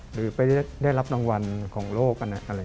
หรือไปได้รับรางวัลของโลก